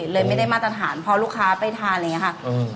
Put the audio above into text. เลยไม่ได้มาตรฐานพอลูกค้าไปทานอะไรอย่างนี้ค่ะ